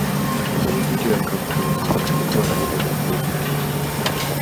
Mwenyekiti wa kampuni hii alikuwa anaitwa Dr.Reginald Mengi.